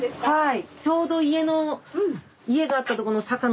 はい。